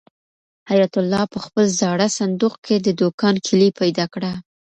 حیات الله په خپل زاړه صندوق کې د دوکان کلۍ پیدا کړه.